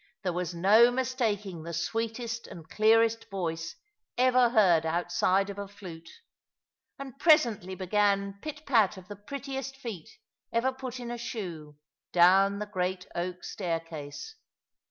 There was no mistaking the sweetest and clearest voice ever heard outside of a flute. And presently began pit pat of the prettiest feet ever put in a shoe, down the great oak staircase.